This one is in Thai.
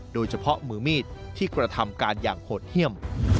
โดยเฉพาะมือมีดที่กระทำการอย่างโหดเยี่ยม